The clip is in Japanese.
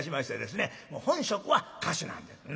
本職は歌手なんです。